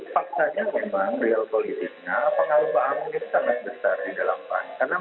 faksanya memang real politiknya pengaruh pak amin sangat besar di dalam pak amin